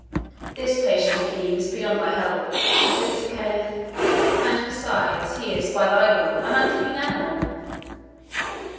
"This patient, Hakim, is beyond thy help," said Sir Kenneth; "and, besides, he is, by thy law, an unclean animal."